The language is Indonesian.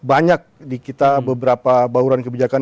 banyak di kita beberapa bauran kebijakan